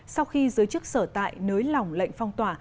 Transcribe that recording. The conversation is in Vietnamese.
sau khi giới chức sở tại nới lỏng lệnh phong tỏa